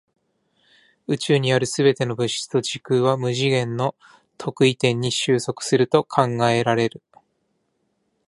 宇宙にある全ての物質と時空は無次元の特異点に収束すると考えられる。